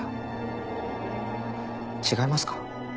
違いますか？